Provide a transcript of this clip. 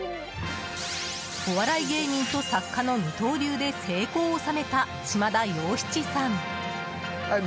お笑い芸人と作家の二刀流で成功を収めた、島田洋七さん。